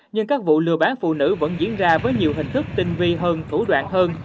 nhưng các vụ lừa bán phụ nữ vẫn diễn ra với nhiều hình thức tinh vi hơn thủ đoạn hơn